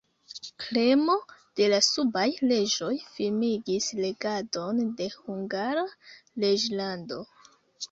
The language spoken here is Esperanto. Kremo de la subaj reĝoj firmigis regadon de Hungara reĝlando.